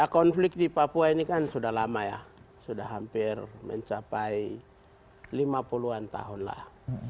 konflik di papua ini kan sudah lama ya sudah hampir mencapai lima puluh an tahun lah